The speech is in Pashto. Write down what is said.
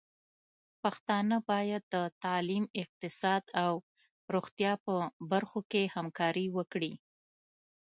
پښتانه بايد د تعليم، اقتصاد او روغتيا په برخو کې همکاري وکړي.